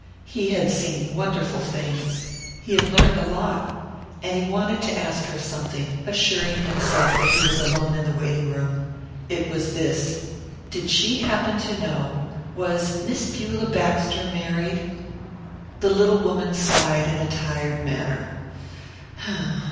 He had seen wonderful things. He had learned a lot. And he wanted to ask her something, assuring himself that he was alone in the waiting room. It was this: did she happen to know was Miss Beulah Baxter married? The little woman sighed in a tired manner.